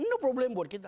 ini problem buat kita